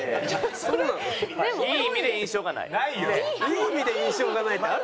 いい意味で印象がないってある？